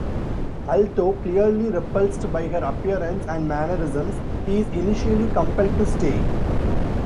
Although clearly repulsed by her appearance and mannerisms, he is initially compelled to stay.